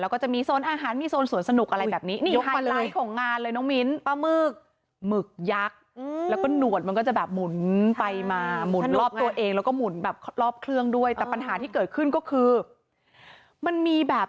เครื่องเล่นอย่างนี้